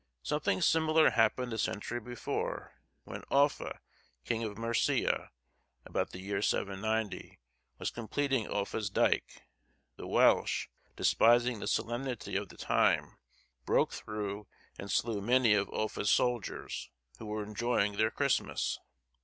Something similar happened a century before, when Offa, king of Mercia, about the year 790, was completing Offa's dyke. The Welsh, despising the solemnity of the time, broke through, and slew many of Offa's soldiers, who were enjoying their Christmas.